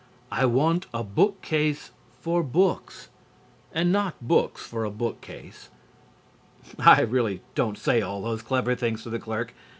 I want a bookcase for books and not books for a bookcase." (I really don't say all those clever things to the clerk.